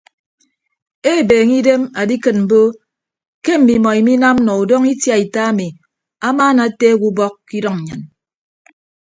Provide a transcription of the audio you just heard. Ebeeñe idem adikịt mbo ke mmimọ iminam nọ udọñọ itiaita ami amaana ateek ubọk ke idʌñ nnyịn.